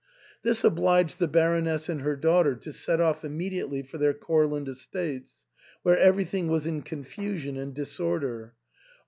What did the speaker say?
This obliged the Baroness and her daughter to set off immediately for their Courland estates, where everything was in confusion and disorder.